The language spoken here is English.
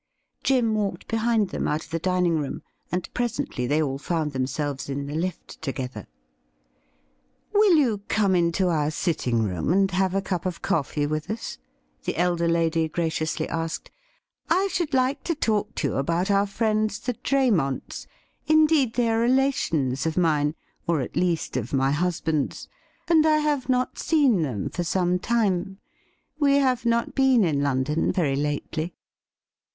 Jim walked behind them out of the dining room, and presently they all found themselves in the lift together. JIM'S NEW ACQUAINTANCES 37 ' Will you come into our sitting room and have a cup of coffee with us ?' the elder lady graciously asked. ' I should like to talk to you about our friends the Draymonts — indeed, they are relations of mine, or, at least, of my husband's — and I have not seen them for some time. We have not been in London very lately.'